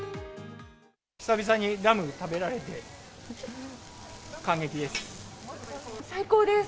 久々にラム、食べられて、最高です。